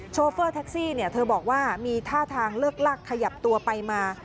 โฟเฟอร์แท็กซี่เธอบอกว่ามีท่าทางเลิกลักขยับตัวไปมา